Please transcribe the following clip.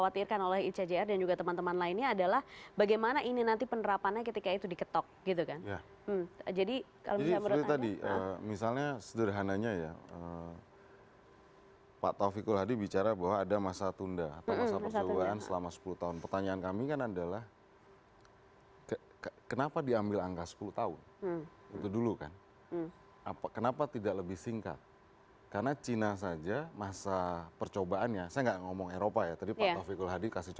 terima kasih terima kasih